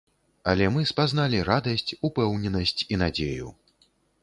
Але мы спазналі радасць, упэўненасць і надзею.